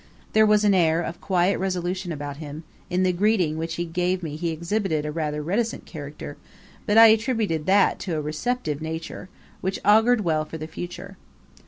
There was an air of quiet resolution about him, and in the greeting which he gave me he exhibited rather a reticent character; but I attributed that to a receptive nature, which augured well for the future.